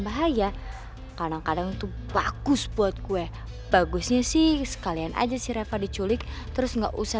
bahaya kadang kadang tuh bagus buat gue bagusnya sih sekalian aja sih refa diculik terus nggak usah